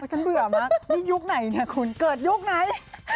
เบื่อมากนี่ยุคไหนเนี่ยคุณเกิดยุคไหน